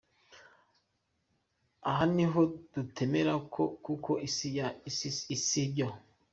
Aha niho tutemera kuko si byo.